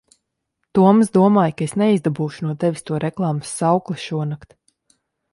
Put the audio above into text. Toms domāja, ka es neizdabūšu no tevis to reklāmas saukli šonakt.